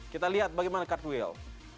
kita lihat bagaimana cartwheel